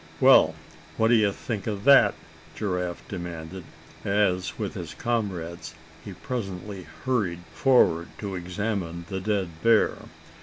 "Well, what d'ye think of that?" Giraffe demanded, as, with his comrades, he presently hurried forward to examine the dead bear.